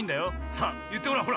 さあいってごらんほら。